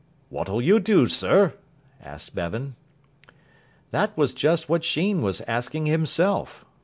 "What'll you do, sir?" asked Bevan. That was just what Sheen was asking himself.